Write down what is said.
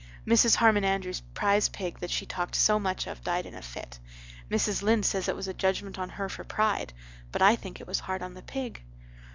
"Mrs. Harmon Andrews prize pig that she talked so much of died in a fit. Mrs. Lynde says it was a judgment on her for pride. But I think it was hard on the pig.